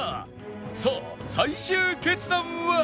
さあ最終決断は？